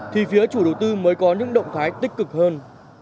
thì phía chủ đầu tư mới có những động thái tích cực hơn